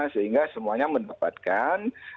sehingga semuanya mendapatkan